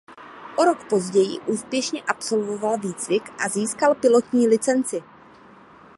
O rok později úspěšně absolvoval výcvik a získal pilotní licenci.